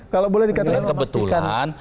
kalau boleh dikatakan